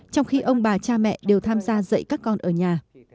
trong khi ông bà cha mẹ đều tham gia dạy các con ở nhà